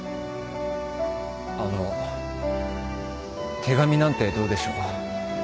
あの手紙なんてどうでしょう。